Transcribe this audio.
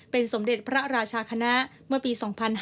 เป็นสมเด็จพระราชาคณะเมื่อปี๒๕๕๙